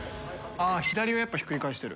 あっ左をやっぱひっくり返してる。